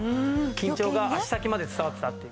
緊張が足先まで伝わってたっていう。